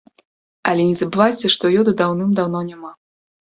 Але не забывайце, што ёду даўным-даўно няма.